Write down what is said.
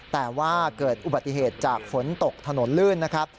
แต่ว่าเกิดอุบัติเหตุจากฝนตกถนนลื่นนะครับ